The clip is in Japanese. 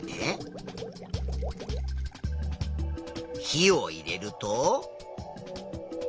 火を入れると。